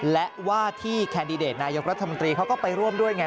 และว่าที่แคนดิเดตนายกรัฐมนตรีเขาก็ไปร่วมด้วยไง